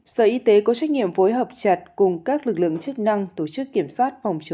sở y tế có trách nhiệm phối hợp chặt cùng các lực lượng chức năng tổ chức kiểm soát phòng chống